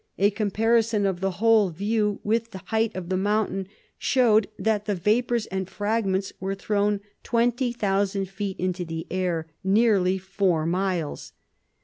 A comparison of the whole view with the height of the mountain, showed that the vapors and fragments were thrown twenty thousand feet into the air nearly four miles.